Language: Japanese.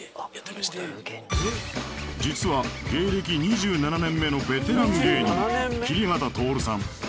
実は芸歴２７年目のベテラン芸人桐畑トールさん